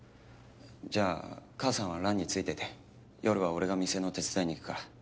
じゃあ母さんは藍についてて。夜は俺が店の手伝いに行くから。